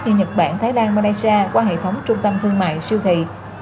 như nhật bản thái lan malaysia qua hệ thống trung tâm thương mại siêu thị